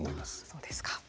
そうですか。